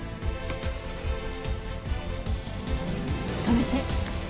止めて。